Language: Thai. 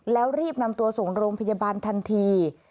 แล้วรีบนำตัวส่งโรงพยาบาลทันที